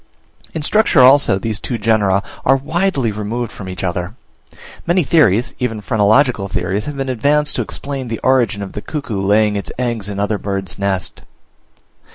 In structure also these two genera are widely removed from each other. Many theories, even phrenological theories, have been advanced to explain the origin of the cuckoo laying its eggs in other birds' nests. M.